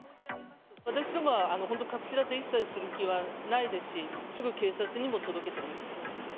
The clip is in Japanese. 私どもは、本当、一切隠し立てする気はないですし、すぐ警察にも届けてます。